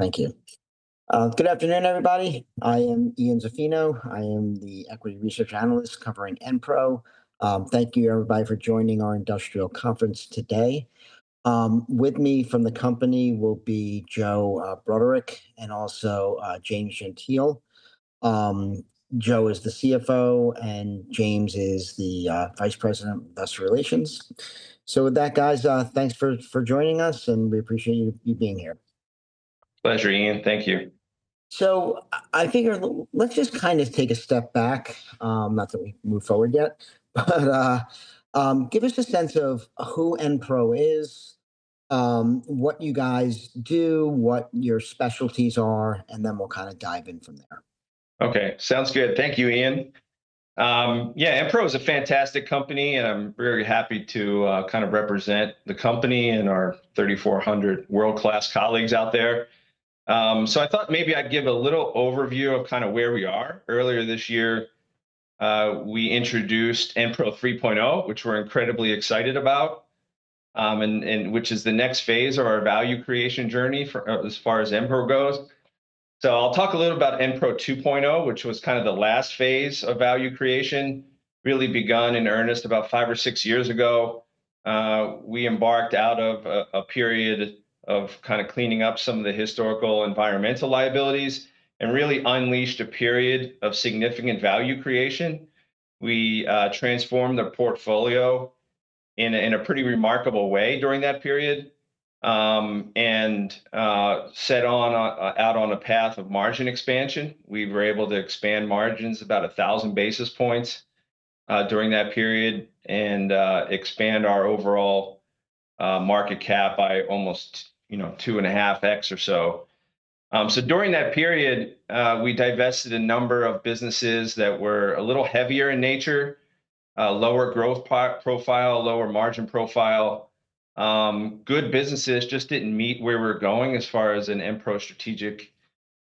Thank you. Good afternoon, everybody. I am Ian Zaffino. I am the Equity Research Analyst covering Enpro. Thank you, everybody, for joining our industrial conference today. With me from the company will be Joe Bruderek and also James Gentile. Joe is the CFO, and James is the Vice President of Industrial Relations. With that, guys, thanks for joining us, and we appreciate you being here. Pleasure, Ian. Thank you. I think let's just kind of take a step back, not that we move forward yet, but give us a sense of who Enpro is, what you guys do, what your specialties are, and then we'll kind of dive in from there. Okay, sounds good. Thank you, Ian. Yeah, Enpro is a fantastic company, and I'm very happy to kind of represent the company and our 3,400 world-class colleagues out there. I thought maybe I'd give a little overview of kind of where we are. Earlier this year, we introduced Enpro 3.0, which we're incredibly excited about, and which is the next phase of our value creation journey as far as Enpro goes. I'll talk a little about Enpro 2.0, which was kind of the last phase of value creation, really begun in earnest about 5 or 6 years ago. We embarked out of a period of kind of cleaning up some of the historical environmental liabilities and really unleashed a period of significant value creation. We transformed the portfolio in a pretty remarkable way during that period and set out on a path of margin expansion. We were able to expand margins about 1,000 basis points during that period and expand our overall market cap by almost two and a half X or so. During that period, we divested a number of businesses that were a little heavier in nature, lower growth profile, lower margin profile. Good businesses just didn't meet where we're going as far as an Enpro strategic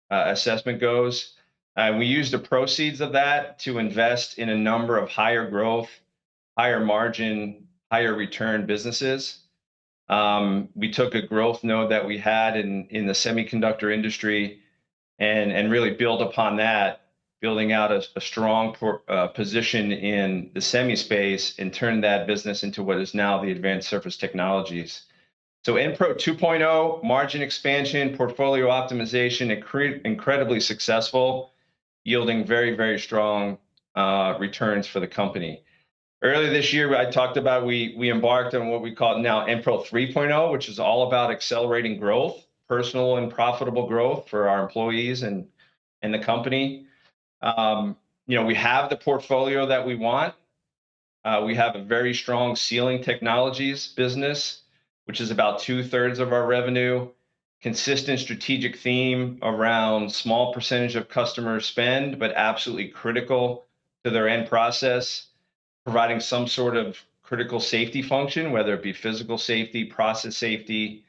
assessment goes. We used the proceeds of that to invest in a number of higher growth, higher margin, higher return businesses. We took a growth node that we had in the semiconductor industry and really built upon that, building out a strong position in the semi space and turned that business into what is now the Advanced Surface Technologies,. Enpro 2.0, margin expansion, portfolio optimization, incredibly successful, yielding very, very strong returns for the company. Earlier this year, I talked about we embarked on what we call now Enpro 3.0, which is all about accelerating growth, personal and profitable growth for our employees and the company. We have the portfolio that we want. We have a very strong sealing technologies business, which is about two-thirds of our revenue, consistent strategic theme around small percentage of customer spend, but absolutely critical to their end process, providing some sort of critical safety function, whether it be physical safety, process safety,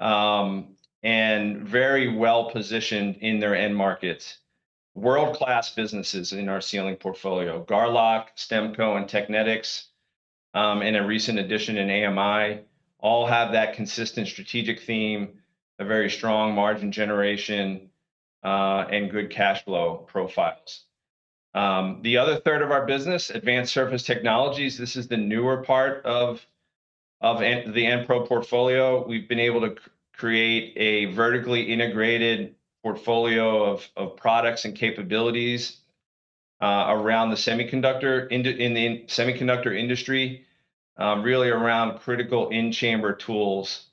and very well positioned in their end markets. World-class businesses in our sealing portfolio, Garlock, Stemco, and Teknetics, and a recent addition in AMI, all have that consistent strategic theme, a very strong margin generation, and good cash flow profiles. The other third of our business, Advanced Surface Technologies,, this is the newer part of the Enpro portfolio. We've been able to create a vertically integrated portfolio of products and capabilities around the semiconductor industry, really around critical in-chamber tools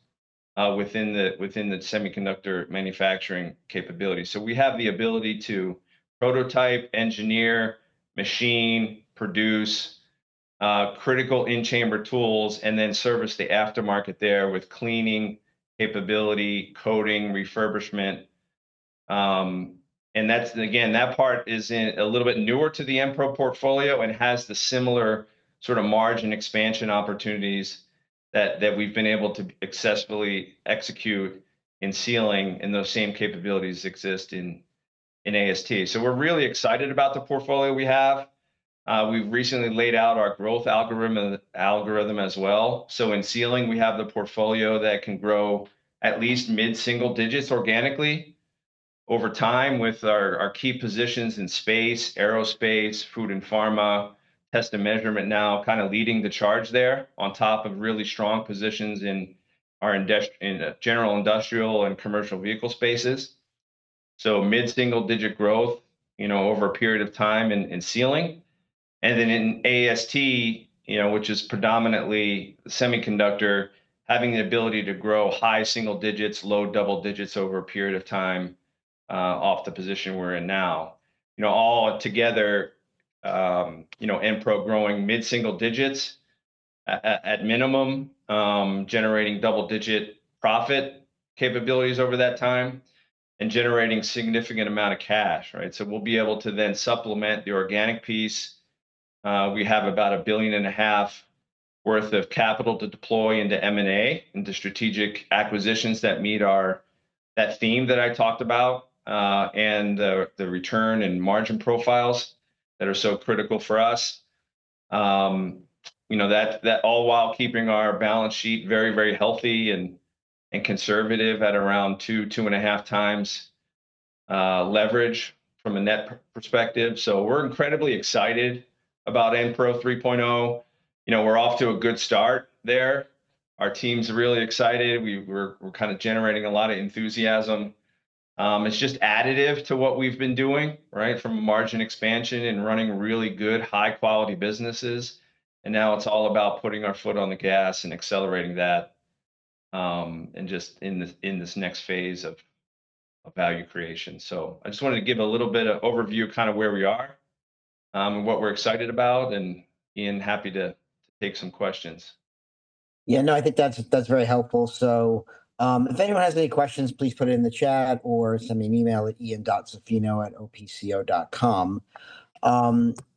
within the semiconductor manufacturing capability. We have the ability to prototype, engineer, machine, produce critical in-chamber tools, and then service the aftermarket there with cleaning capability, coating, refurbishment. That part is a little bit newer to the Enpro portfolio and has the similar sort of margin expansion opportunities that we've been able to successfully execute in sealing, and those same capabilities exist in AST. We're really excited about the portfolio we have. We've recently laid out our growth algorithm as well. In sealing, we have the portfolio that can grow at least mid-single digits organically over time with our key positions in space, aerospace, food and pharma, test and measurement now kind of leading the charge there on top of really strong positions in general industrial and commercial vehicle spaces. Mid-single digit growth over a period of time in sealing. In AST, which is predominantly semiconductor, having the ability to high-single digits, low-double digits over a period of time off the position we're in now. All together, Enpro growing mid-single digits at minimum, generating double-digit profit capabilities over that time and generating a significant amount of cash. We'll be able to then supplement the organic piece. We have about $1.5 billion worth of capital to deploy into M&A and the strategic acquisitions that meet that theme that I talked about and the return and margin profiles that are so critical for us, all while keeping our balance sheet very, very healthy and conservative at around two-2.5 times leverage from a net perspective. We're incredibly excited about Enpro 3.0. We're off to a good start there. Our team's really excited. We're kind of generating a lot of enthusiasm. It's just additive to what we've been doing from margin expansion and running really good, high-quality businesses. Now it's all about putting our foot on the gas and accelerating that and just in this next phase of value creation. I just wanted to give a little bit of overview of kind of where we are and what we're excited about. Ian, happy to take some questions. Yeah, no, I think that's very helpful. If anyone has any questions, please put it in the chat or send me an email at ian.zaffino@opco.com.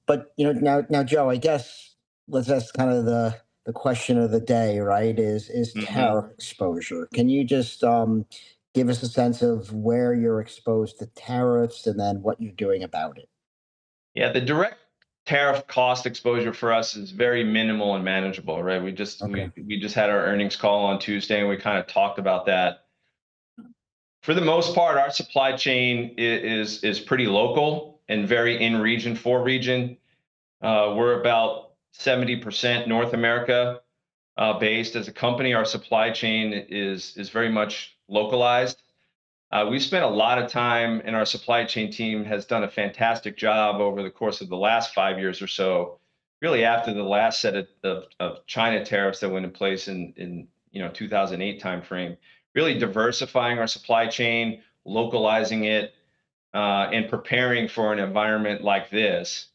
Now, Joe, I guess let's ask kind of the question of the day, right, is tariff exposure. Can you just give us a sense of where you're exposed to tariffs and then what you're doing about it? Yeah, the direct tariff cost exposure for us is very minimal and manageable. We just had our earnings call on Tuesday, and we kind of talked about that. For the most part, our supply chain is pretty local and very in region for region. We're about 70% North America based as a company. Our supply chain is very much localized. We spent a lot of time, and our supply chain team has done a fantastic job over the course of the last five years or so, really after the last set of China tariffs that went in place in 2008 timeframe, really diversifying our supply chain, localizing it, and preparing for an environment like this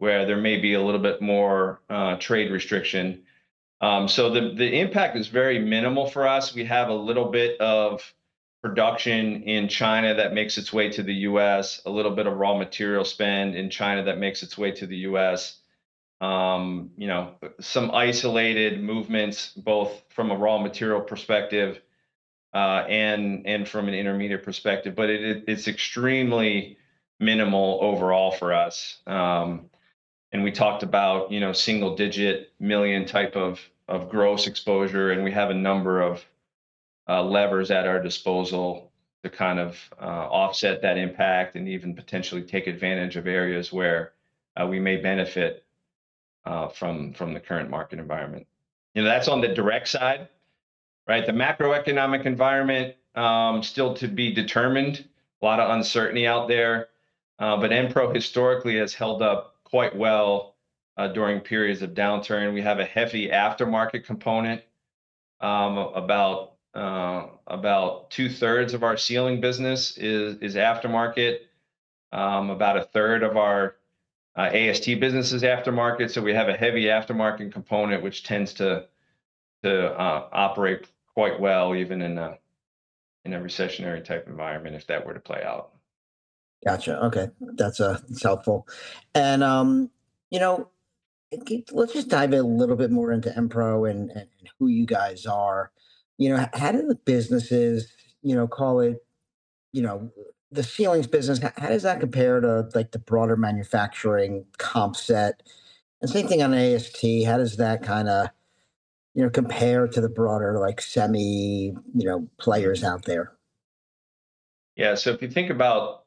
where there may be a little bit more trade restriction. The impact is very minimal for us. We have a little bit of production in China that makes its way to the U.S., a little bit of raw material spend in China that makes its way to the U.S., some isolated movements both from a raw material perspective and from an intermediate perspective. It is extremely minimal overall for us. We talked about single-digit million type of gross exposure, and we have a number of levers at our disposal to kind of offset that impact and even potentially take advantage of areas where we may benefit from the current market environment. That is on the direct side. The macroeconomic environment still to be determined, a lot of uncertainty out there. Enpro historically has held up quite well during periods of downturn. We have a heavy aftermarket component. About two-thirds of our sealing business is aftermarket. About a third of our AST business is aftermarket. We have a heavy aftermarket component, which tends to operate quite well even in a recessionary type environment if that were to play out. Gotcha. Okay. That's helpful. Let's just dive in a little bit more into Enpro and who you guys are. How do the businesses, call it the sealing business, how does that compare to the broader manufacturing comp set? Same thing on AST, how does that kind of compare to the broader semi players out there? Yeah. If you think about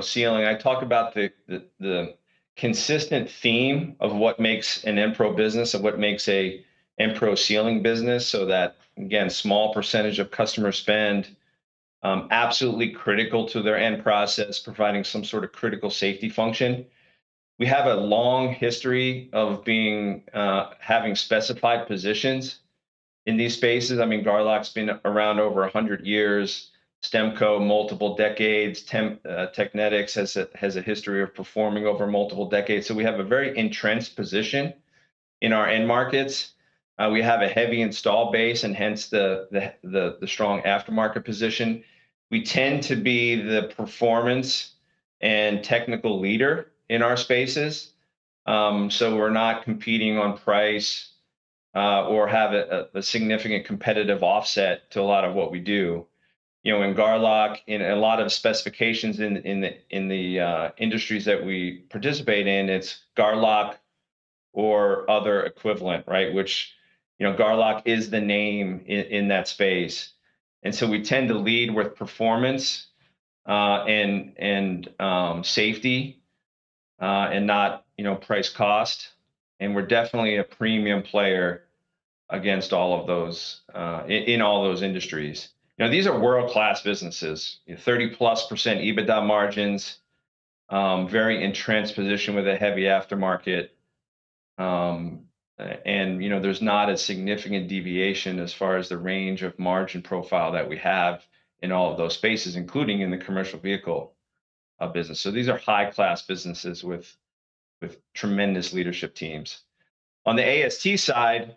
sealing, I talk about the consistent theme of what makes an Enpro business, of what makes an Enpro sealing business so that, again, small percentage of customer spend, absolutely critical to their end process, providing some sort of critical safety function. We have a long history of having specified positions in these spaces. I mean, Garlock's been around over 100 years, Stemco multiple decades, Teknetics has a history of performing over multiple decades. We have a very entrenched position in our end markets. We have a heavy install base and hence the strong aftermarket position. We tend to be the performance and technical leader in our spaces. We're not competing on price or have a significant competitive offset to a lot of what we do. In Garlock, in a lot of specifications in the industries that we participate in, it's Garlock or other equivalent, which Garlock is the name in that space. We tend to lead with performance and safety and not price cost. We're definitely a premium player against all of those in all those industries. These are world-class businesses, 30+% EBITDA margins, very entrenched position with a heavy aftermarket. There's not a significant deviation as far as the range of margin profile that we have in all of those spaces, including in the commercial vehicle business. These are high-class businesses with tremendous leadership teams. On the AST side,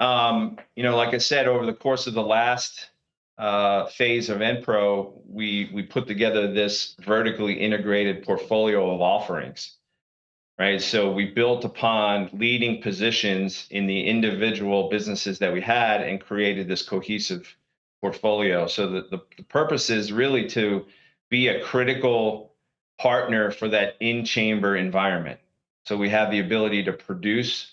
like I said, over the course of the last phase of Enpro, we put together this vertically integrated portfolio of offerings. We built upon leading positions in the individual businesses that we had and created this cohesive portfolio. The purpose is really to be a critical partner for that in-chamber environment. We have the ability to produce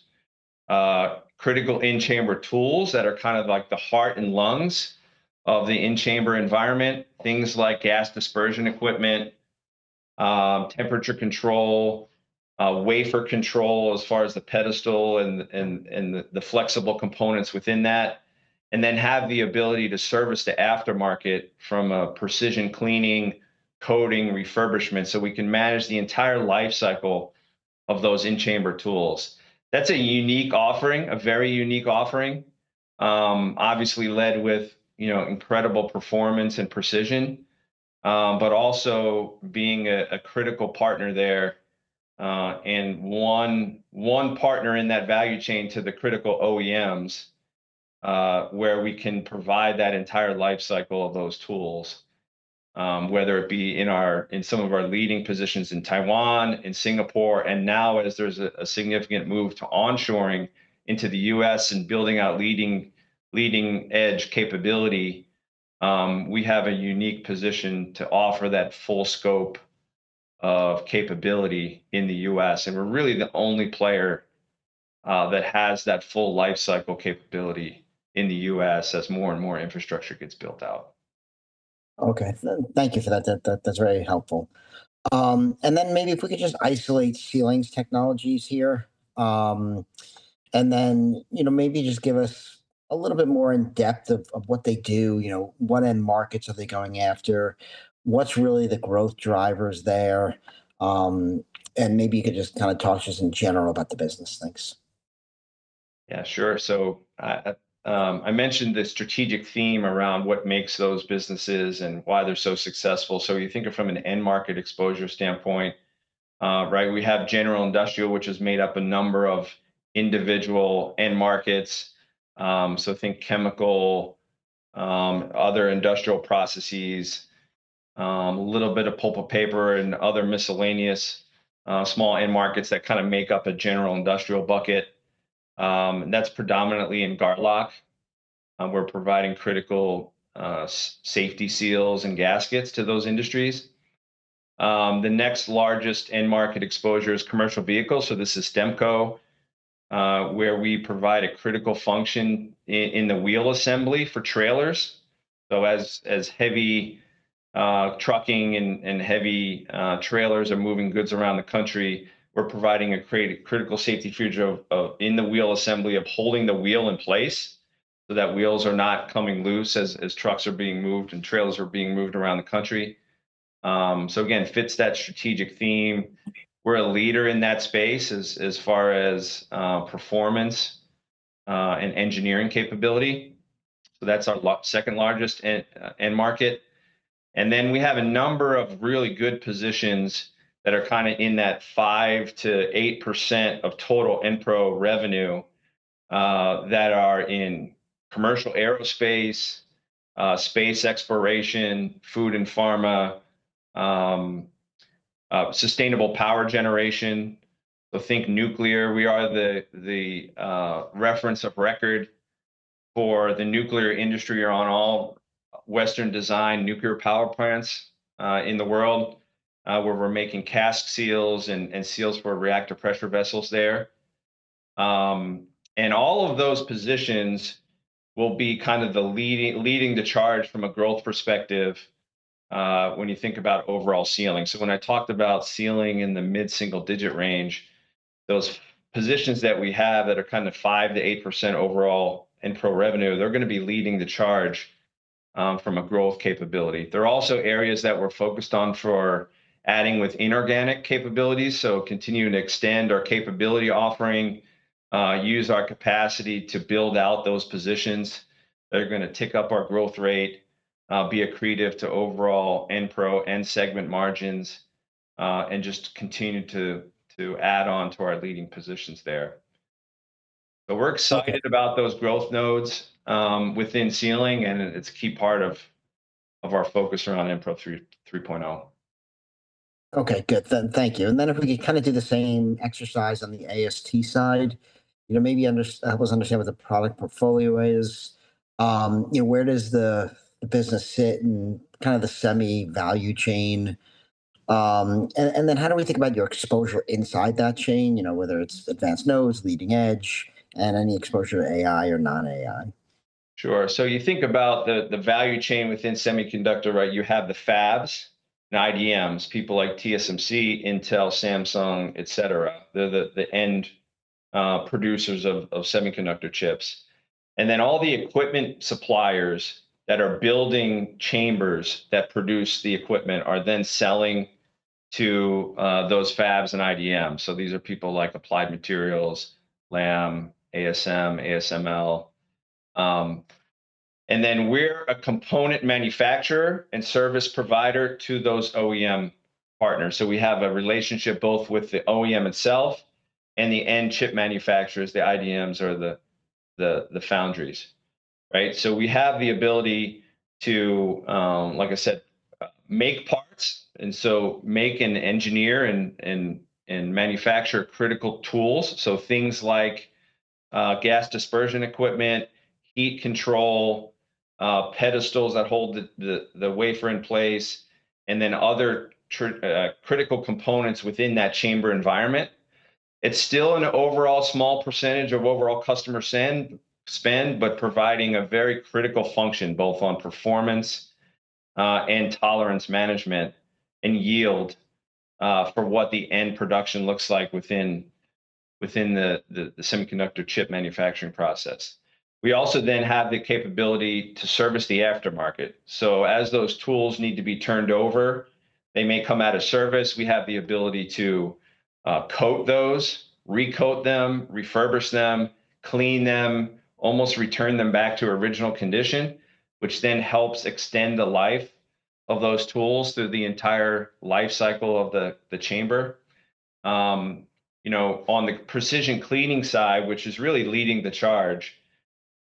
critical in-chamber tools that are kind of like the heart and lungs of the in-chamber environment, things like gas dispersion equipment, temperature control, wafer control as far as the pedestal and the flexible components within that, and then have the ability to service the aftermarket from a precision cleaning, coating, refurbishment. We can manage the entire lifecycle of those in-chamber tools. That's a unique offering, a very unique offering, obviously led with incredible performance and precision, but also being a critical partner there and one partner in that value chain to the critical OEMs where we can provide that entire lifecycle of those tools, whether it be in some of our leading positions in Taiwan, in Singapore. Now, as there's a significant move to onshoring into the U.S. and building out leading-edge capability, we have a unique position to offer that full scope of capability in the U.S. We're really the only player that has that full lifecycle capability in the U.S. as more and more infrastructure gets built out. Okay. Thank you for that. That's very helpful. Maybe if we could just isolate sealing technologies here and then maybe just give us a little bit more in depth of what they do, what end markets are they going after, what's really the growth drivers there, and maybe you could just kind of talk to us in general about the business. Thanks. Yeah, sure. I mentioned the strategic theme around what makes those businesses and why they're so successful. You think of from an end market exposure standpoint, we have general industrial, which is made up of a number of individual end markets. Think chemical, other industrial processes, a little bit of pulp and paper, and other miscellaneous small end markets that kind of make up a general industrial bucket. That is predominantly in Garlock. We are providing critical safety seals and gaskets to those industries. The next largest end market exposure is commercial vehicles. This is Stemco, where we provide a critical function in the wheel assembly for trailers. As heavy trucking and heavy trailers are moving goods around the country, we're providing a critical safety feature in the wheel assembly of holding the wheel in place so that wheels are not coming loose as trucks are being moved and trailers are being moved around the country. Again, fits that strategic theme. We're a leader in that space as far as performance and engineering capability. That's our second largest end market. We have a number of really good positions that are kind of in that 5%-8% of total Enpro revenue that are in commercial aerospace, space exploration, food and pharma, sustainable power generation. Think nuclear. We are the reference of record for the nuclear industry on all Western-designed nuclear power plants in the world where we're making cask seals and seals for reactor pressure vessels there. All of those positions will be kind of leading the charge from a growth perspective when you think about overall sealing. When I talked about sealing in the mid-single digit range, those positions that we have that are kind of 5%-8% overall Enpro revenue, they're going to be leading the charge from a growth capability. There are also areas that we're focused on for adding with inorganic capabilities. Continue to extend our capability offering, use our capacity to build out those positions. They're going to tick up our growth rate, be accretive to overall Enpro and segment margins, and just continue to add on to our leading positions there. We're excited about those growth nodes within sealing, and it's a key part of our focus around Enpro 3.0. Okay. Good. Thank you. If we could kind of do the same exercise on the AST side, maybe help us understand what the product portfolio is. Where does the business sit in kind of the semi value chain? How do we think about your exposure inside that chain, whether it's advanced nodes, leading edge, and any exposure to AI or non-AI? Sure. You think about the value chain within semiconductor, right? You have the fabs and IDMs, people like TSMC, Intel, Samsung, etc. They're the end producers of semiconductor chips. All the equipment suppliers that are building chambers that produce the equipment are then selling to those fabs and IDMs. These are people like Applied Materials, LAM, ASM, ASML. We're a component manufacturer and service provider to those OEM partners. We have a relationship both with the OEM itself and the end chip manufacturers, the IDMs or the foundries. We have the ability to, like I said, make parts and make and engineer and manufacture critical tools. Things like gas dispersion equipment, heat control, pedestals that hold the wafer in place, and other critical components within that chamber environment. It's still an overall small percentage of overall customer spend, but providing a very critical function both on performance and tolerance management and yield for what the end production looks like within the semiconductor chip manufacturing process. We also then have the capability to service the aftermarket. As those tools need to be turned over, they may come out of service. We have the ability to coat those, recoat them, refurbish them, clean them, almost return them back to original condition, which then helps extend the life of those tools through the entire lifecycle of the chamber. On the precision cleaning side, which is really leading the charge,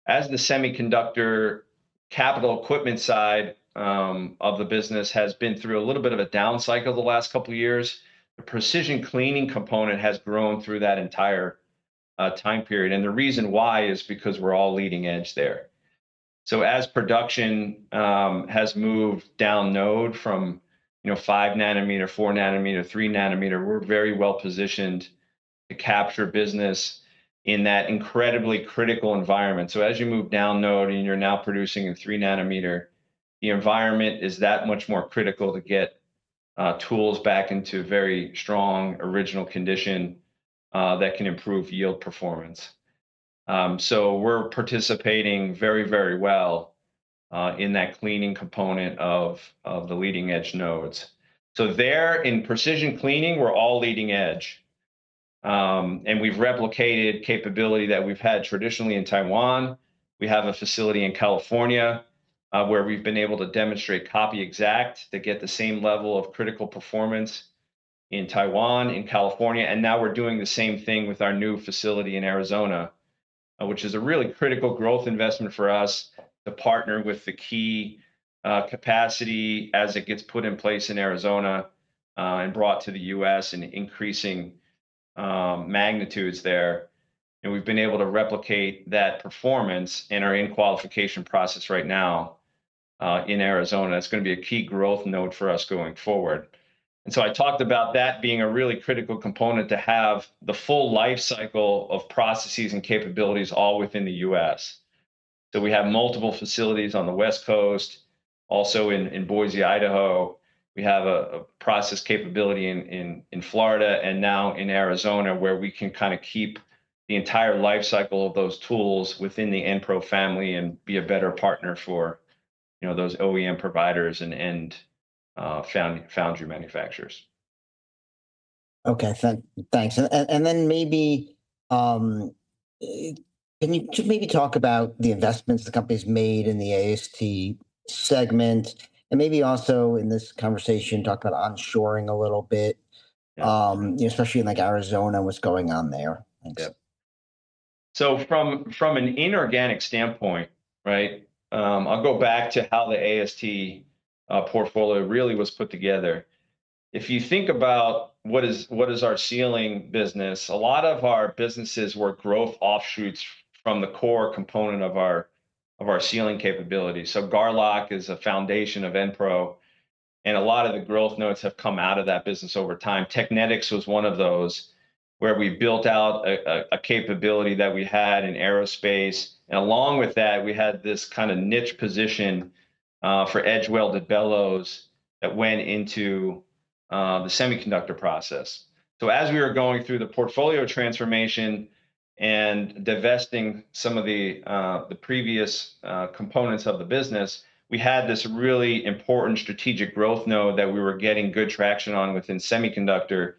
as the semiconductor capital equipment side of the business has been through a little bit of a down cycle the last couple of years, the precision cleaning component has grown through that entire time period. The reason why is because we're all leading edge there. As production has moved down node from 5 nanometer, 4 nanometer, 3 nanometer, we're very well positioned to capture business in that incredibly critical environment. As you move down node and you're now producing a 3 nanometer, the environment is that much more critical to get tools back into very strong original condition that can improve yield performance. We're participating very, very well in that cleaning component of the leading edge nodes. There in precision cleaning, we're all leading edge. We've replicated capability that we've had traditionally in Taiwan. We have a facility in California where we've been able to demonstrate copy exact to get the same level of critical performance in Taiwan, in California. We are doing the same thing with our new facility in Arizona, which is a really critical growth investment for us to partner with the key capacity as it gets put in place in Arizona and brought to the U.S. and increasing magnitudes there. We have been able to replicate that performance in our in-qualification process right now in Arizona. It is going to be a key growth node for us going forward. I talked about that being a really critical component to have the full lifecycle of processes and capabilities all within the U.S. We have multiple facilities on the West Coast, also in Boise, Idaho. We have a process capability in Florida and now in Arizona where we can kind of keep the entire lifecycle of those tools within the Enpro family and be a better partner for those OEM providers and foundry manufacturers. Okay. Thanks. Maybe can you maybe talk about the investments the company's made in the AST segment and maybe also in this conversation talk about onshoring a little bit, especially in Arizona, what's going on there? Thanks. From an inorganic standpoint, I'll go back to how the AST portfolio really was put together. If you think about what is our sealing business, a lot of our businesses were growth offshoots from the core component of our sealing capability. Garlock is a foundation of Enpro. A lot of the growth nodes have come out of that business over time. Teknetics was one of those where we built out a capability that we had in aerospace. Along with that, we had this kind of niche position for Edgewell de Bellows that went into the semiconductor process. As we were going through the portfolio transformation and divesting some of the previous components of the business, we had this really important strategic growth node that we were getting good traction on within semiconductor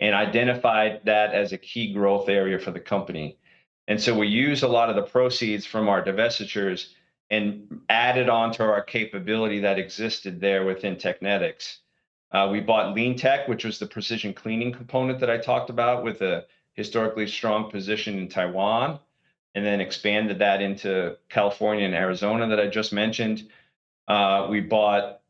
and identified that as a key growth area for the company. We used a lot of the proceeds from our divestitures and added on to our capability that existed there within Teknetics. We bought LeanTech, which was the precision cleaning component that I talked about with a historically strong position in Taiwan, and then expanded that into California and Arizona that I just mentioned. We bought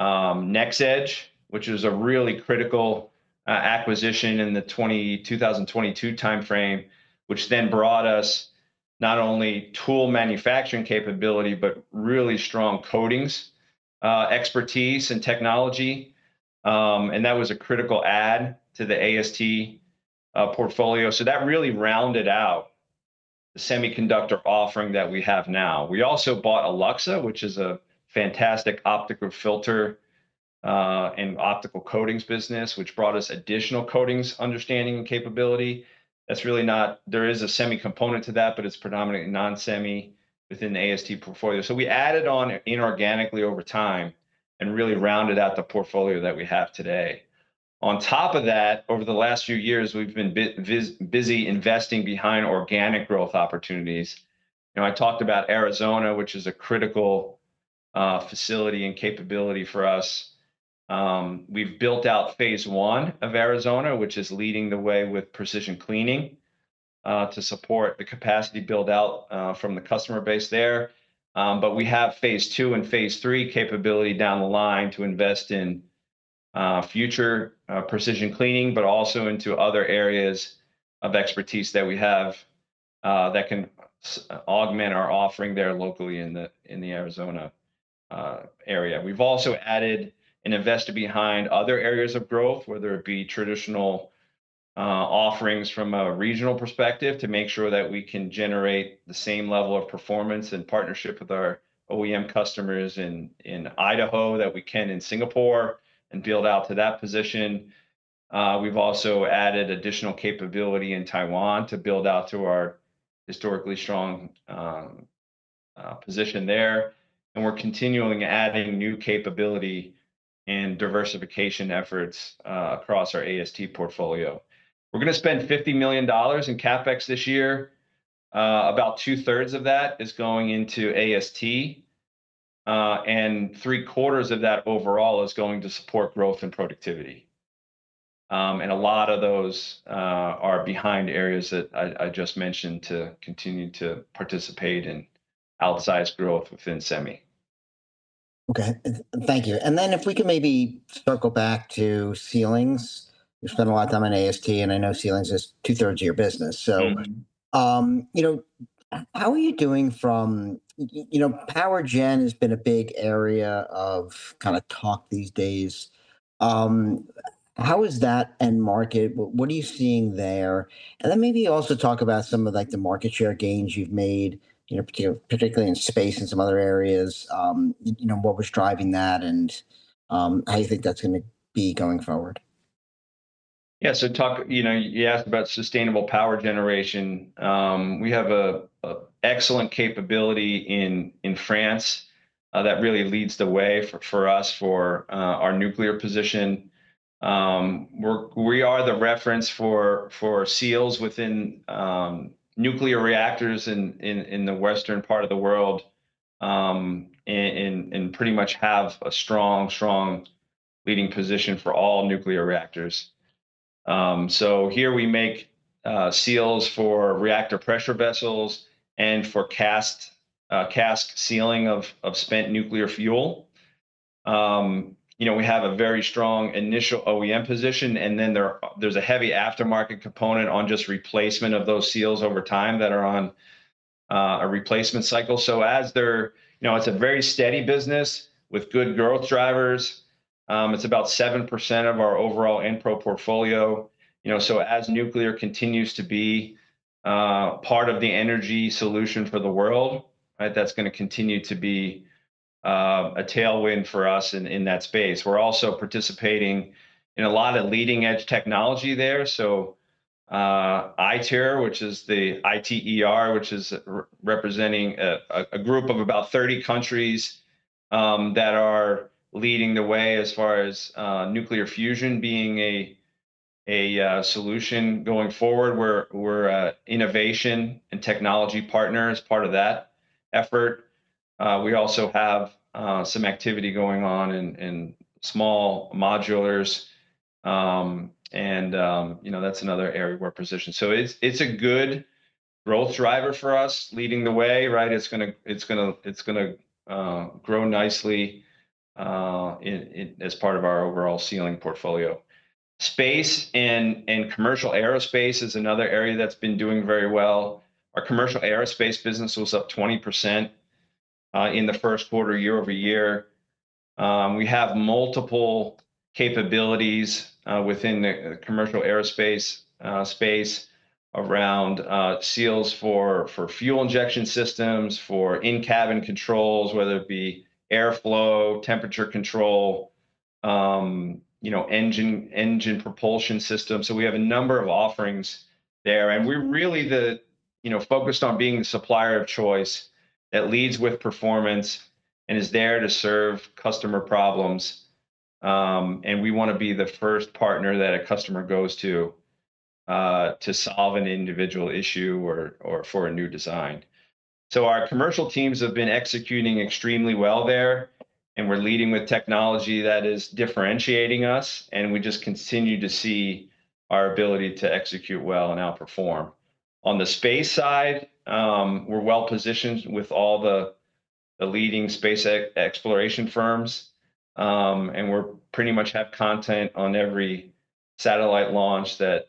NexEdge, which was a really critical acquisition in the 2022 timeframe, which then brought us not only tool manufacturing capability, but really strong coatings expertise and technology. That was a critical add to the AST portfolio. That really rounded out the semiconductor offering that we have now. We also bought Alluxa, which is a fantastic optical filter and optical coatings business, which brought us additional coatings understanding and capability. There is a semi component to that, but it is predominantly non-semi within the AST portfolio. We added on inorganically over time and really rounded out the portfolio that we have today. On top of that, over the last few years, we've been busy investing behind organic growth opportunities. I talked about Arizona, which is a critical facility and capability for us. We've built out phase one of Arizona, which is leading the way with precision cleaning to support the capacity build-out from the customer base there. We have phase two and phase 3 capability down the line to invest in future precision cleaning, but also into other areas of expertise that we have that can augment our offering there locally in the Arizona area. We've also added and invested behind other areas of growth, whether it be traditional offerings from a regional perspective to make sure that we can generate the same level of performance in partnership with our OEM customers in Idaho that we can in Singapore and build out to that position. We've also added additional capability in Taiwan to build out to our historically strong position there. We're continuing to add new capability and diversification efforts across our AST portfolio. We're going to spend $50 million in CapEx this year. About two-thirds of that is going into AST, and three-quarters of that overall is going to support growth and productivity. A lot of those are behind areas that I just mentioned to continue to participate in outsized growth within semi. Okay. Thank you. If we can maybe circle back to sealing. You spent a lot of time on AST, and I know sealing is two-thirds of your business. How are you doing from Power Gen has been a big area of kind of talk these days. How is that end market? What are you seeing there? Maybe also talk about some of the market share gains you've made, particularly in space and some other areas. What was driving that, and how do you think that's going to be going forward? Yeah. You asked about sustainable power generation. We have an excellent capability in France that really leads the way for us for our nuclear position. We are the reference for seals within nuclear reactors in the Western part of the world and pretty much have a strong, strong leading position for all nuclear reactors. Here we make seals for reactor pressure vessels and for cask sealing of spent nuclear fuel. We have a very strong initial OEM position, and then there's a heavy aftermarket component on just replacement of those seals over time that are on a replacement cycle. It's a very steady business with good growth drivers. It's about 7% of our overall Enpro portfolio. As nuclear continues to be part of the energy solution for the world, that's going to continue to be a tailwind for us in that space. We're also participating in a lot of leading-edge technology there. ITER, which is representing a group of about 30 countries that are leading the way as far as nuclear fusion being a solution going forward. We're an innovation and technology partner as part of that effort. We also have some activity going on in small modulars. And that's another area where position. It's a good growth driver for us leading the way. It's going to grow nicely as part of our overall sealing portfolio. Space and commercial aerospace is another area that's been doing very well. Our commercial aerospace business was up 20% in the first quarter year over year. We have multiple capabilities within the commercial aerospace space around seals for fuel injection systems, for in-cabin controls, whether it be airflow, temperature control, engine propulsion system. We have a number of offerings there. We are really focused on being the supplier of choice that leads with performance and is there to serve customer problems. We want to be the first partner that a customer goes to to solve an individual issue or for a new design. Our commercial teams have been executing extremely well there, and we are leading with technology that is differentiating us, and we just continue to see our ability to execute well and outperform. On the space side, we are well positioned with all the leading space exploration firms, and we pretty much have content on every satellite launch that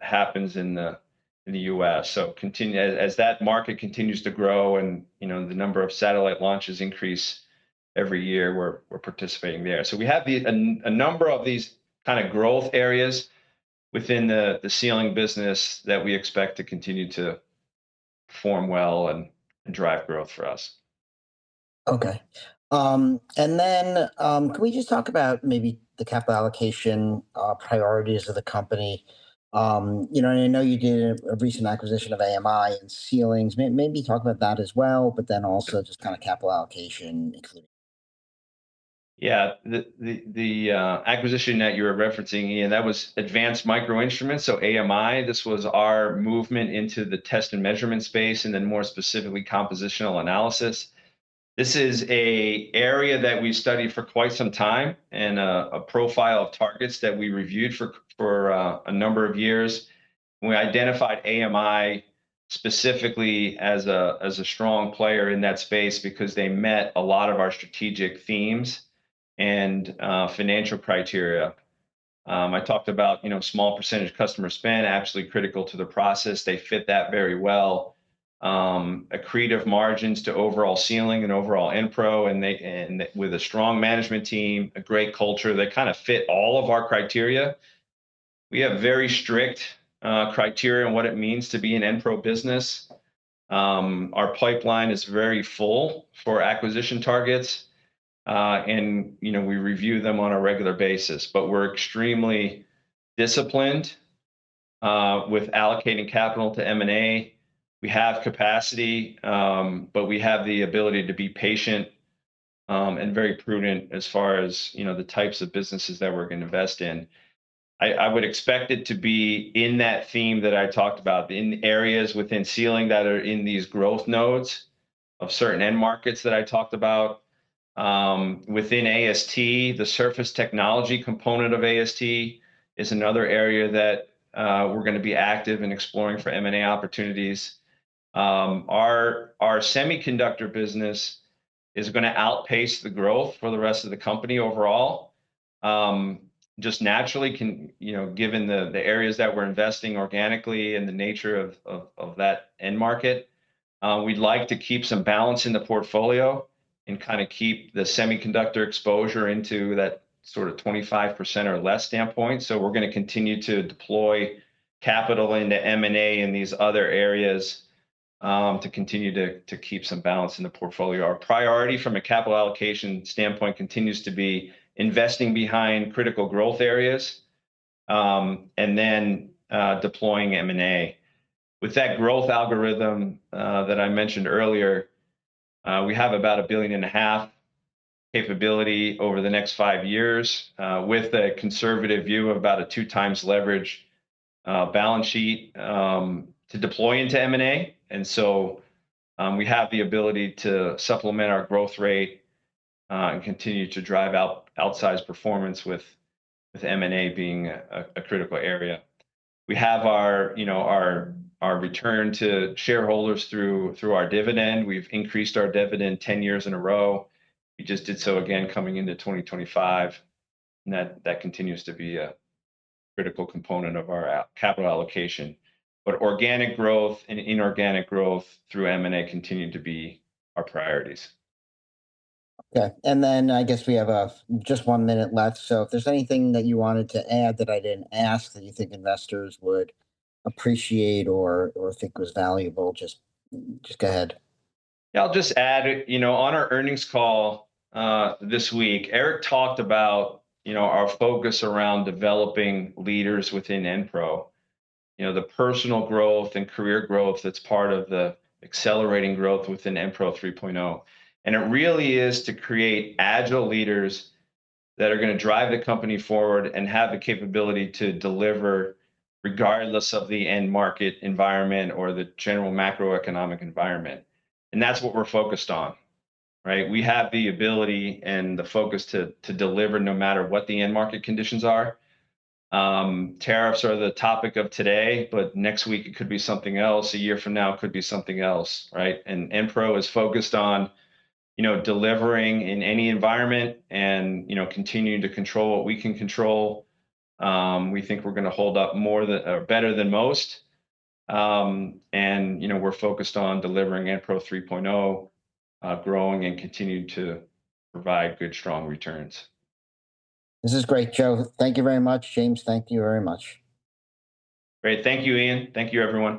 happens in the U.S. As that market continues to grow and the number of satellite launches increase every year, we are participating there. We have a number of these kind of growth areas within the sealing business that we expect to continue to perform well and drive growth for us. Okay. Can we just talk about maybe the capital allocation priorities of the company? I know you did a recent acquisition of AMI and ceilings. Maybe talk about that as well, but then also just kind of capital allocation, including. Yeah. The acquisition that you were referencing, Ian, that was Advanced Micro Instruments. So AMI, this was our movement into the test and measurement space, and then more specifically compositional analysis. This is an area that we studied for quite some time and a profile of targets that we reviewed for a number of years. We identified AMI specifically as a strong player in that space because they met a lot of our strategic themes and financial criteria. I talked about small percentage customer spend, absolutely critical to the process. They fit that very well. Accretive margins to overall sealing and overall Enpro and with a strong management team, a great culture that kind of fit all of our criteria. We have very strict criteria on what it means to be an Enpro business. Our pipeline is very full for acquisition targets, and we review them on a regular basis. We're extremely disciplined with allocating capital to M&A. We have capacity, but we have the ability to be patient and very prudent as far as the types of businesses that we're going to invest in. I would expect it to be in that theme that I talked about, in areas within sealing that are in these growth nodes of certain end markets that I talked about. Within AST, the surface technology component of AST is another area that we're going to be active in exploring for M&A opportunities. Our semiconductor business is going to outpace the growth for the rest of the company overall, just naturally, given the areas that we're investing organically and the nature of that end market. We'd like to keep some balance in the portfolio and kind of keep the semiconductor exposure into that sort of 25% or less standpoint. We're going to continue to deploy capital into M&A and these other areas to continue to keep some balance in the portfolio. Our priority from a capital allocation standpoint continues to be investing behind critical growth areas and then deploying M&A. With that growth algorithm that I mentioned earlier, we have about $1.5 billion capability over the next five years with a conservative view of about a two-times leverage balance sheet to deploy into M&A. We have the ability to supplement our growth rate and continue to drive outsized performance with M&A being a critical area. We have our return to shareholders through our dividend. We've increased our dividend 10 years in a row. We just did so again coming into 2025. That continues to be a critical component of our capital allocation. Organic growth and inorganic growth through M&A continue to be our priorities. Okay. I guess we have just one minute left. If there is anything that you wanted to add that I did not ask that you think investors would appreciate or think was valuable, just go ahead. Yeah. I'll just add on our earnings call this week, Eric talked about our focus around developing leaders within Enpro. The personal growth and career growth that's part of the accelerating growth within Enpro 3.0. It really is to create agile leaders that are going to drive the company forward and have the capability to deliver regardless of the end market environment or the general macroeconomic environment. That's what we're focused on. We have the ability and the focus to deliver no matter what the end market conditions are. Tariffs are the topic of today, but next week it could be something else. A year from now, it could be something else. Enpro is focused on delivering in any environment and continuing to control what we can control. We think we're going to hold up better than most. We are focused on delivering Enpro 3.0, growing and continuing to provide good, strong returns. This is great, Joe. Thank you very much, James. Thank you very much. Great. Thank you, Ian. Thank you, everyone.